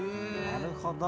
なるほど。